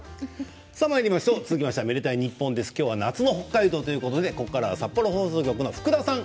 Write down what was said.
続きましては「愛でたいｎｉｐｐｏｎ」夏の北海道ということでここからは札幌放送局の福田さん